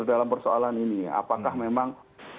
dalam persoalan ini apakah memang